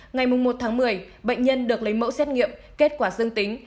ngày một tháng một mươi bệnh nhân được lấy mẫu xét nghiệm kết quả dương tính